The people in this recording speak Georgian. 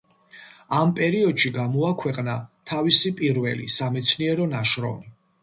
ამ პერიოდში გამოაქვეყნა თავისი პირველი სამეცნიერო ნაშრომი.